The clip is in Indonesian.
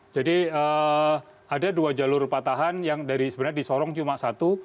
jadi ada dua jalur patahan yang dari sebenarnya di sorong cuma satu